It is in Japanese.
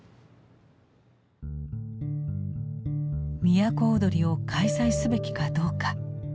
都をどりを開催すべきかどうか。